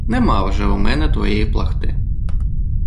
Нема вже у мене твоєї плахти!